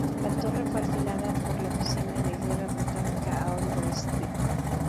La torre fue alquilada por la Oficina de Guerra británica a Oliver St.